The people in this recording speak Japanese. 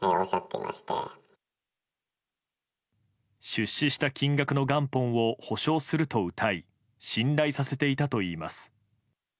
出資した金額の元本を保証するとうたい信頼させていたといいます。